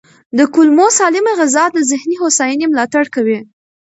د کولمو سالمه غذا د ذهني هوساینې ملاتړ کوي.